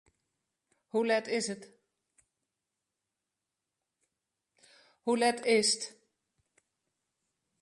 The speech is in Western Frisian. Hoe let is it?